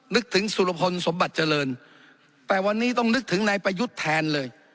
นึกถึงสุรพลสมบัติเจริญแต่วันนี้ต้องนึกถึงนายประยุทธ์แทนเลย